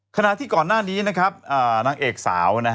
ขณะที่ก่อนหน้านี้นะครับนางเอกสาว